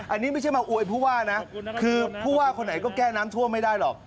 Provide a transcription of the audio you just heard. อันนี้ไม่ใช่มาอวยผู้ว่านะคือผู้ว่าคนไหนก็แก้น้ำท่วมไม่ได้หรอก